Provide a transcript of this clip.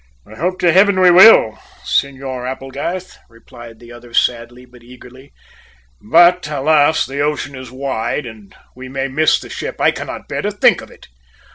"I hope to heaven we will, Senor Applegarth," replied the other sadly, but eagerly. "But, alas! the ocean is wide, and we may miss the ship. I cannot bear to think of it!"